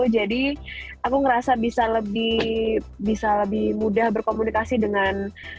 jadi aku ngerasa bisa lebih mudah berkomunikasi dengan